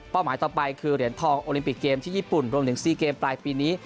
หมายต่อไปคือเหรียญทองโอลิมปิกเกมที่ญี่ปุ่นรวมถึง๔เกมปลายปีนี้